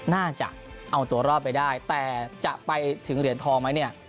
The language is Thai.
น่าจะเอาตัวรอดไปได้แต่จะไปถึงเหรียญทองไหมเนี่ย